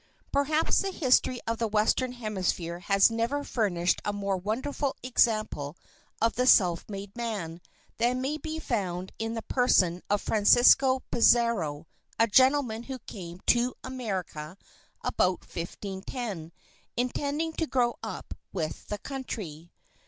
Perhaps the history of the western hemisphere has never furnished a more wonderful example of the self made man than may be found in the person of Francisco Pizarro, a gentleman who came to America about 1510, intending to grow up with the country.